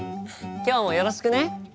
今日もよろしくね。